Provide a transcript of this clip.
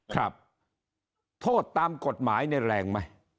ครับโทษตามกฎหมายเนี่ยแรงไหม